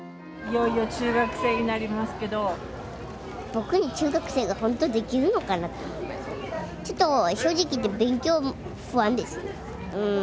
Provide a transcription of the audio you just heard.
いよいよ中学生になりますけど僕に中学生がホントできるのかなとちょっと正直言って勉強不安ですうん